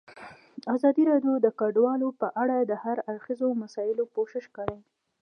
ازادي راډیو د کډوال په اړه د هر اړخیزو مسایلو پوښښ کړی.